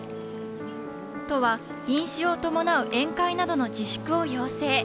都は飲酒を伴う宴会などの自粛を要請。